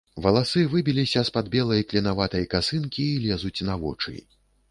Валасы выбіліся з-пад белай клінаватай касынкі і лезуць на вочы.